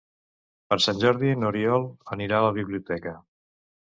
Per Sant Jordi n'Oriol anirà a la biblioteca.